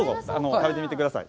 食べてみてください。